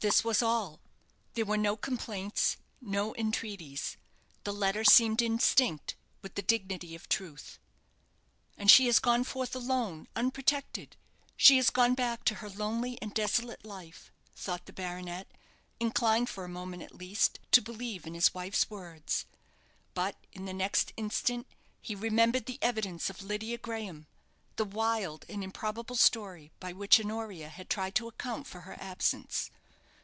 This was all. There were no complaints, no entreaties. The letter seemed instinct with the dignity of truth. "And she has gone forth alone, unprotected. She has gone back to her lonely and desolate life," thought the baronet, inclined, for a moment at least, to believe in his wife's words. But in the next instant he remembered the evidence of Lydia Graham the wild and improbable story by which Honoria had tried to account for her absence.